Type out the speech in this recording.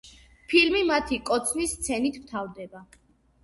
ფილმი მათი კოცნის სცენით მთავრდება.